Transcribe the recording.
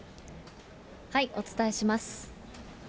お伝えします。